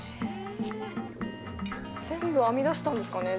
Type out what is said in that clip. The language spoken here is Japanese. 全部編み出したんですかね？